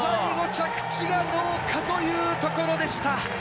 着地がどうかというところでした。